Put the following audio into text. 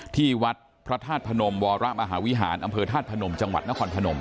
ที่วัดพระธาตุพนมวรมหาวิหารอำเภอธาตุพนมจังหวัดนครพนม